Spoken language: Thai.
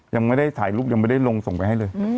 ยังไม่ได้ถ่ายรูปยังไม่ได้ลงส่งไปให้เลย